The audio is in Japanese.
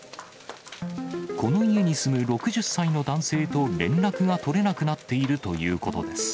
この家に住む６０歳の男性と連絡が取れなくなっているということです。